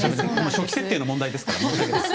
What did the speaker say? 初期設定の問題ですからね。